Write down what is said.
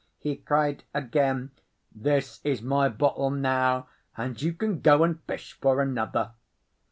he cried again, "this is my bottle now, and you can go and fish for another."